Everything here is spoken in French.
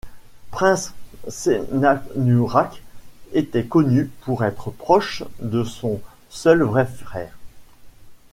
Prince-Senanurak était connu pour être proche de son seul vrai frère.